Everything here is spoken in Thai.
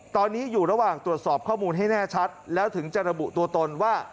ตอนนี้อยู่ระหว่างตรวจสอบข้อมูลให้แน่ชัดแล้วถึงจะระบุตัวตนว่า